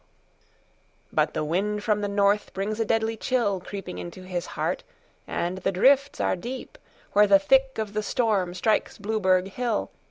But the wind from the north brings a deadly chillCreeping into his heart, and the drifts are deep, Where the thick of the storm strikes Blueberg hill.